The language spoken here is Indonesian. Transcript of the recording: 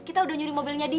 kita udah nyari mobilnya dia